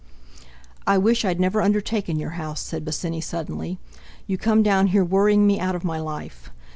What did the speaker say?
"I wish I'd never undertaken your house," said Bosinney suddenly. "You come down here worrying me out of my life.